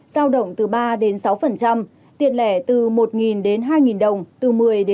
giao động từ ba sáu tiền lẻ từ một hai đồng từ một mươi một mươi năm